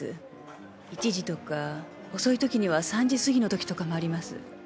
１時とか遅い時には３時すぎの時とかもあります。